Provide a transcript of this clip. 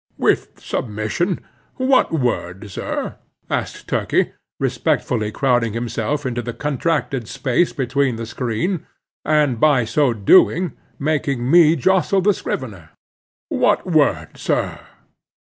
"With submission, what word, sir," asked Turkey, respectfully crowding himself into the contracted space behind the screen, and by so doing, making me jostle the scrivener. "What word, sir?"